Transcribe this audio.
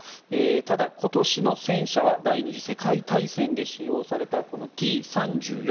ただ、今年の戦車は第２次世界大戦で使用されたこのＴ３４